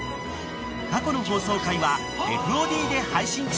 ［過去の放送回はＦＯＤで配信中］